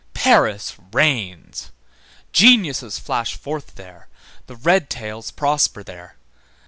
Paris reigns. Geniuses flash forth there, the red tails prosper there.